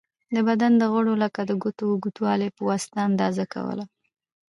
د بدن د غړیو لکه د ګوتو اوږوالی په واسطه اندازه کوله.